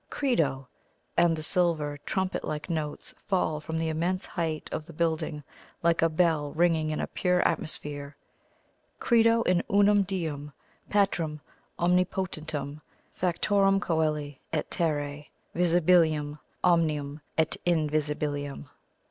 "Credo!" and the silver, trumpet like notes fall from the immense height of the building like a bell ringing in a pure atmosphere "Credo in unum Deum; Patrem omni potentum, factorem coeli et terrae, visibilium omnium et invisibilium."